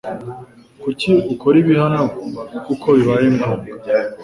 Kuki ukora ibi hano kuko bibaye ngombwa